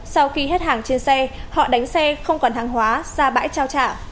sau khi hết hàng trên xe họ đánh xe không còn hàng hóa ra bãi trao trả